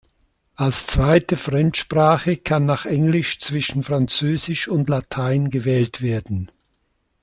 Als zweite Fremdsprache kann nach Englisch zwischen Französisch und Latein gewählt werden.